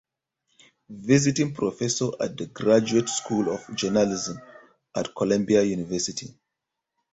Visiting Professor at the Graduate School of Journalism at Columbia University.